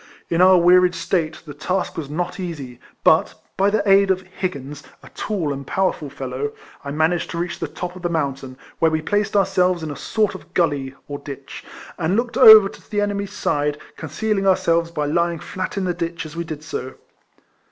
In our wearied state, the task was not easy, but, by the aid of Higgins, a tall and power ful fellow, 1 managed to reach the top of the mountain, where we placed ourselves in a sort of gully, or ditch, and looked over to the enemy's side, concealing ourselves by lying flat in the ditch, as we did so.